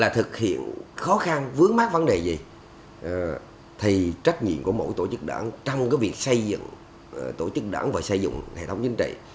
thầy trách nhiệm của mỗi tổ chức đảng trong việc xây dựng tổ chức đảng và xây dựng hệ thống chính trị